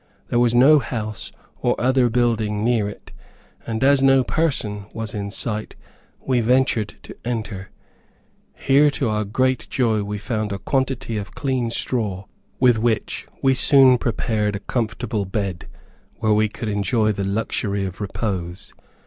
There was no house, or other building near it, and as no person was in sight, we ventured to enter. Here, to our great joy, we found a quantity of clean straw, with which we soon prepared a comfortable bed, where we could enjoy the luxury of repose.